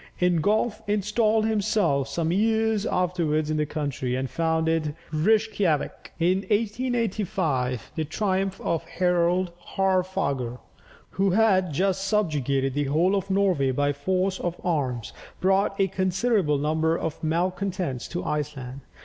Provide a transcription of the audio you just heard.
Ingolf installed himself some years afterwards in the country, and founded Reijkiavik. In 885 the triumph of Harold Haarfager, who had just subjugated the whole of Norway by force of arms, brought a considerable number of malcontents to Iceland.